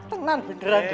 tenang beneran di